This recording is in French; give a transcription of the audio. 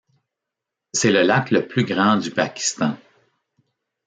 C'est le lac le plus grand du Pakistan.